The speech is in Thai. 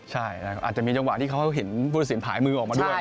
ใช่อาจจะมีจังหวะที่เขาเห็นพูดสินถ่ายมือออกมาด้วย